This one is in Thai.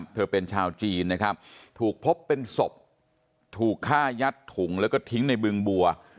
เธอเป็นชาวจีนนะครับถูกพบเป็นศพถูกฆ่ายัดถุงแล้วก็ทิ้งในบึงบัว